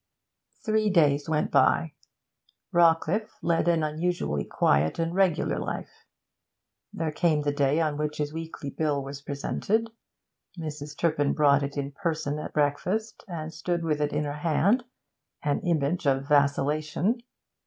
Three days went by. Rawcliffe led an unusually quiet and regular life. There came the day on which his weekly bill was presented. Mrs. Turpin brought it in person at breakfast, and stood with it in her hand, an image of vacillation.